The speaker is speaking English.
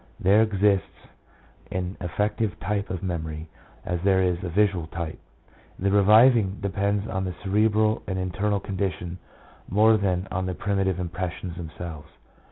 3 "There exists an affective type of memory as there is a visual type. The reviving depends on the cerebral and internal conditions more than on the primitive impressions themselves."